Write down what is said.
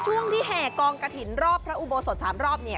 จุดช่วงที่แห่กองกติ็นรอบพระอุโบสถสามรอบเนี่ย